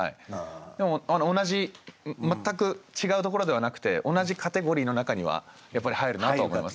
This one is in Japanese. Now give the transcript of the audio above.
でも全く違うところではなくて同じカテゴリーの中にはやっぱり入るなと思います。